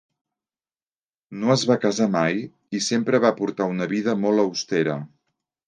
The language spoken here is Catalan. No es va casar mai i sempre va portar una vida molt austera.